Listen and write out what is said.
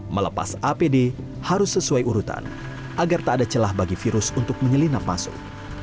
melepas apd harus sesuai urutan agar tak ada celah bagi virus untuk menyelinap masuk